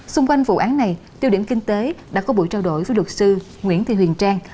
xung quanh vụ án này tiêu điểm kinh tế đã có buổi trao đổi với luật sư nguyễn thị huyền trang